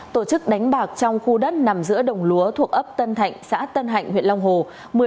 tổ chức đánh bạc trong khu đất nằm giữa đồng lúa thuộc ấp tân thạnh xã tân hạnh huyện long hồ